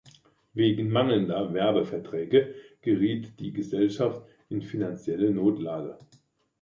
Wegen mangelnder Werbeverträge geriet die Gesellschaft in finanzielle Notlage.